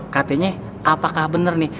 katanya apakah bener nih